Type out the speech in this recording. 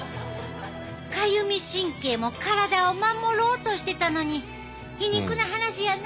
かゆみ神経も体を守ろうとしてたのに皮肉な話やな。